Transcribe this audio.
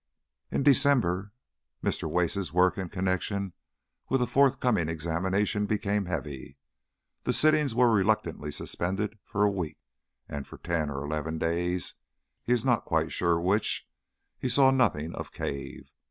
In December Mr. Wace's work in connection with a forthcoming examination became heavy, the sittings were reluctantly suspended for a week, and for ten or eleven days he is not quite sure which he saw nothing of Cave.